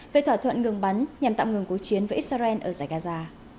về thỏa thuận ngừng bắn nhằm tạm ngừng cuộc chiến với israel ở giải gaza